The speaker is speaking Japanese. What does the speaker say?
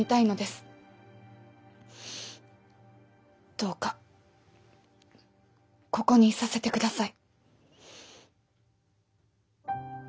どうかここにいさせてください。